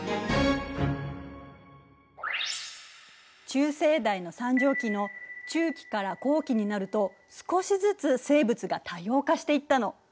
中生代の三畳紀の中期から後期になると少しずつ生物が多様化していったの。